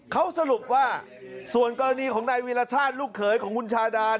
เขาสรุปว่าส่วนกรณีของนายวีรชาติลูกเขยของคุณชาดา